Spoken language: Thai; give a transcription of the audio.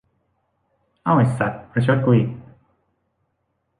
เอ้า ไอ้สัด ประชดกูอีก